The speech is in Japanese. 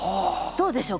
どうでしょう？